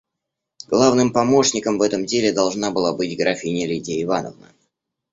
Главным помощником в этом деле должна была быть графиня Лидия Ивановна.